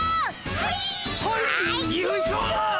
はい。